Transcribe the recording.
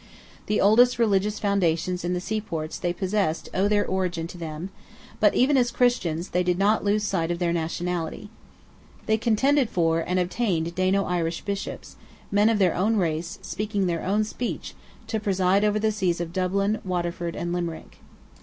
The oldest religious foundations in the seaports they possessed owe their origin to them; but even as Christians, they did not lose sight of their nationality. They contended for, and obtained Dano Irish Bishops, men of their own race, speaking their own speech, to preside over the sees of Dublin, Waterford, and Limerick.